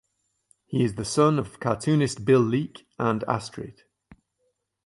He is the son of cartoonist Bill Leak and Astrid.